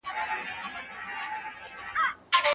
دویني ډول چاپېریال انتخاب هم اغېزمنوي.